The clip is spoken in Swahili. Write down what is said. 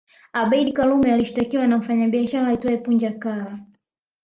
Abeid Karume alishtakiwa na mfanyabiashara aitwae Punja Kara